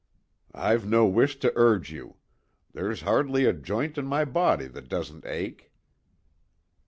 "I've no wish to urge you. There's hardly a joint in my body that doesn't ache."